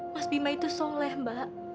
mas bima itu soleh mbak